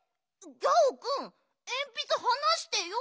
ギャオくんえんぴつはなしてよ。